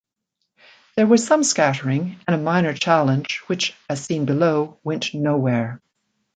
There was some scattering, and a minor challenge, which as seen below, went nowhere.